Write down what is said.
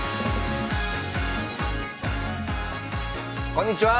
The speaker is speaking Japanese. こんにちは。